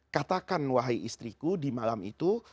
katakan wahai istriku di malam itu